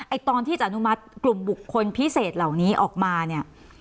ตอนที่จะอนุมัติกลุ่มบุคคลพิเศษเหล่านี้ออกมาเนี่ย